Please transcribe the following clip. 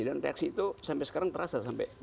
dan reaksi itu sampai sekarang terasa